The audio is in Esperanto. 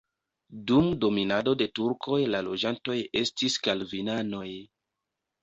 Dum dominado de turkoj la loĝantoj estis kalvinanoj.